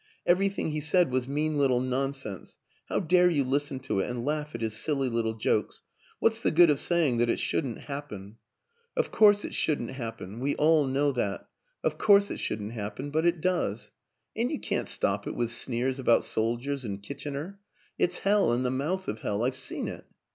Everything he said was mean little nonsense how dare you listen to it and laugh at his silly little jokes? What's the good of saying that it shouldn't happen? Of course it WILLIAM AN ENGLISHMAN 225 shouldn't happen we all know that of course it shouldn't happen, but it does. And you can't stop it with sneers about soldiers and Kitchener. ... It's hell and the mouth of hell I've seen it.